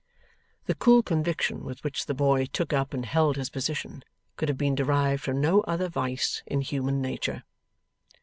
The cool conviction with which the boy took up and held his position, could have been derived from no other vice in human nature.